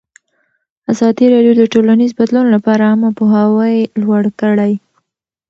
ازادي راډیو د ټولنیز بدلون لپاره عامه پوهاوي لوړ کړی.